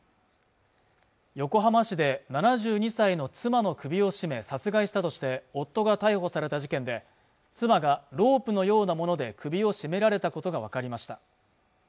横浜市で７２歳の妻の首を絞め殺害したとして夫が逮捕された事件で妻がロープのようなもので首を絞められたことが分かりました